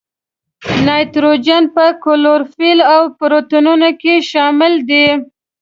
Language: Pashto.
نایتروجن په کلوروفیل او پروټینونو کې شامل دی.